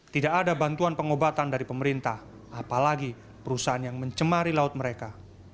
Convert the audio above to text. tidak ada bantuan pengobatan dari pemerintah apalagi perusahaan yang mencemari laut mereka